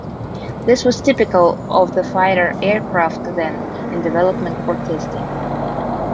This was typical of the fighter aircraft then in development or testing.